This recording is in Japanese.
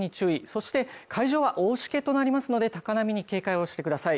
そして、海上は大しけとなりますので高波に警戒をしてください。